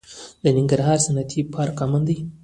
د ننګرهار صنعتي پارک امن دی؟